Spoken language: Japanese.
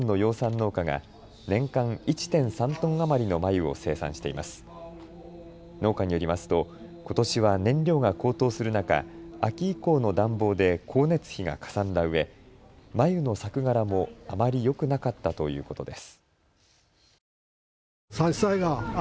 農家によりますと、ことしは燃料が高騰する中、秋以降の暖房で光熱費がかさんだうえ繭の作柄もあまりよくなかったということです。